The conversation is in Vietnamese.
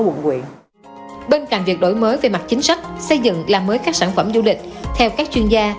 quận quyện bên cạnh việc đổi mới về mặt chính sách xây dựng làm mới các sản phẩm du lịch theo các chuyên gia